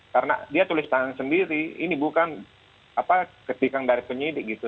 karena dia tulis tangan sendiri ini bukan ketikan dari penyidik gitu